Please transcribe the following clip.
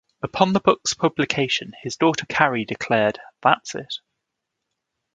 Upon the book's publication, his daughter Carrie declared: That's it.